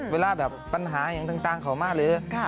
เวลาแบบปัญหาอย่างต่างเข้ามาหรือ